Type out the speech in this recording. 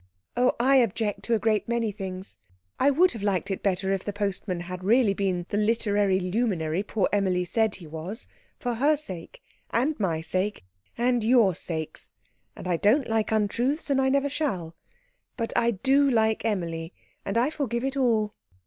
"Oh, I object to a great many things. I would have liked it better if the postman had really been the literary luminary poor Emilie said he was for her sake, and my sake, and your sakes. And I don't like untruths, and never shall. But I do like Emilie, and I forgive it all."